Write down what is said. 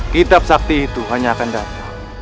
kitab sakti itu hanya akan datang